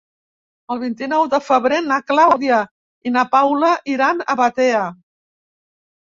El vint-i-nou de febrer na Clàudia i na Paula iran a Batea.